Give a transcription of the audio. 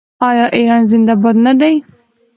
آیا ایران زنده باد نه دی؟